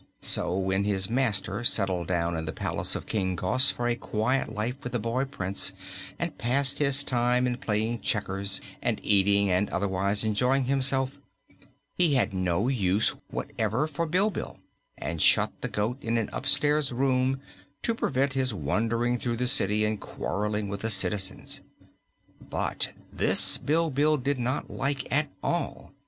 So, when his master settled down in the palace of King Gos for a quiet life with the boy Prince, and passed his time in playing checkers and eating and otherwise enjoying himself, he had no use whatever for Bilbil, and shut the goat in an upstairs room to prevent his wandering through the city and quarreling with the citizens. But this Bilbil did not like at all.